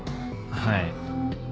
はい。